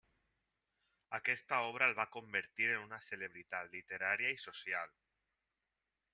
Aquesta obra el va convertir en una celebritat literària i social.